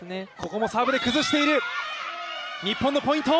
ここもサーブで崩している、日本のポイント。